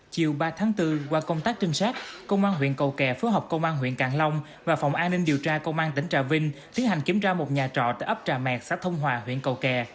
chiều ba tháng bốn qua công tác trinh sát công an huyện cầu kè phối hợp công an huyện cạn long và phòng an ninh điều tra công an tỉnh trà vinh tiến hành kiểm tra một nhà trọ tại ấp trà mẹt xã thông hòa huyện cầu kè